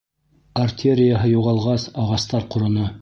Артерияһы юғалғас, ағастар ҡороно.